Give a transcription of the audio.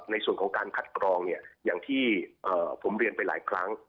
ในส่วนของการคัดกรองเนี่ยอย่างที่ผมเรียนไปหลายครั้ง